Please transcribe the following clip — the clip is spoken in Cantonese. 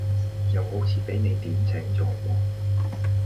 又好似俾你點醒左喎